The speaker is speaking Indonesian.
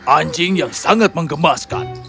anjing yang sangat mengemaskan